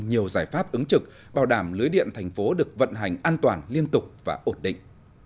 nhiều giải pháp ứng trực bảo đảm lưới điện thành phố được vận hành an toàn liên tục và ổn định